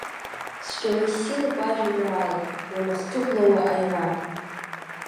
Цәгьала иссируп ажәеинраала, Уанахҭыгәлауа аира!